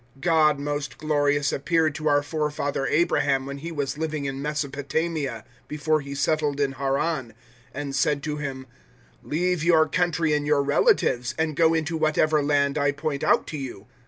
God Most Glorious appeared to our forefather Abraham when he was living in Mesopotamia, before he settled in Haran, 007:003 and said to him, "`Leave your country and your relatives, and go into whatever land I point out to you.'